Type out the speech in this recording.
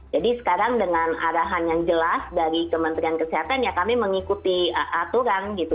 jadi sekarang dengan arahan yang jelas dari kementerian kesehatan ya kami mengikuti aturan gitu